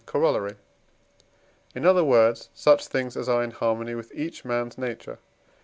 Coroll.); in other words, such things as are in harmony with each man's nature.